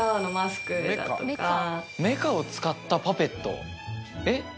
メカを使ったパペットえっ？